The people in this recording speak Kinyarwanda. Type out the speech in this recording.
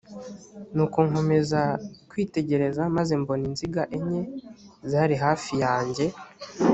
nuko nkomeza kwitegereza maze mbona inziga enye zari hafi yanjye